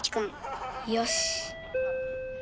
よし。